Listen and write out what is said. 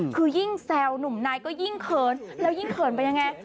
คือยิ่งแซวหนุ่มนายก็ยิ่งเขินแล้วยิ่งเขินไปยังไง